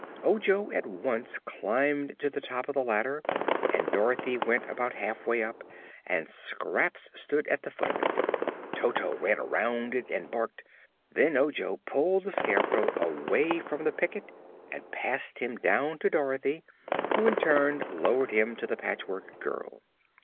Ojo at once climbed to the top of the ladder and Dorothy went about halfway up and Scraps stood at the foot of it. Toto ran around it and barked. Then Ojo pulled the Scarecrow away from the picket and passed him down to Dorothy, who in turn lowered him to the Patchwork Girl.